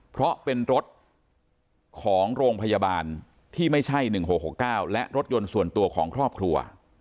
เพราะเป็นรถของโรงพยาบาลที่ไม่ใช่๑๖๖๙และรถยนต์ส่วนตัวของครอบครัว